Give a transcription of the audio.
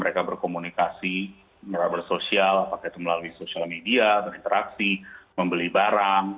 mereka berkomunikasi sosial apakah itu melalui sosial media berinteraksi membeli barang